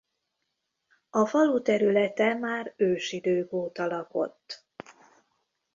A falu területe már ősidők óta lakott.